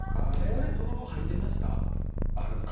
それ、その後履いてました？